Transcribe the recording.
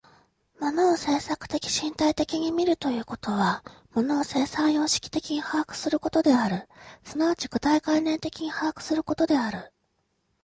物を制作的身体的に見るということは、物を生産様式的に把握することである、即ち具体概念的に把握することである。